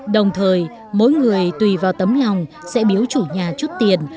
đồng thời mỗi người tùy vào tấm lòng sẽ biếu chủ nhà chút tiền